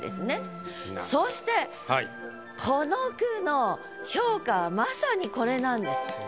そしてこの句の評価はまさにこれなんです